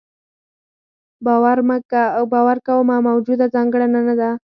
باور کومه موجوده ځانګړنه نه ده.